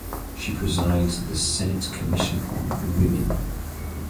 She presides the Senate commission on women.